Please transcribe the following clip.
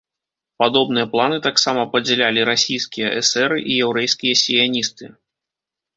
Падобныя планы таксама падзялялі расійскія эсэры і яўрэйскія сіяністы.